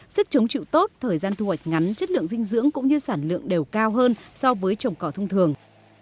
sức chống chịu tốt thời gian thu hoạch ngắn chất lượng dinh dưỡng cũng như sản lượng đều cao hơn so với trồng cỏ thông thường